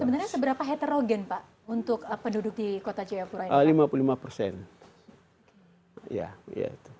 sebenarnya seberapa heterogen pak untuk penduduk di kota jayapura ini